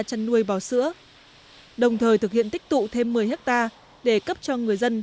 chăn nuôi bò sữa đồng thời thực hiện tích tụ thêm một mươi hectare để cấp cho người dân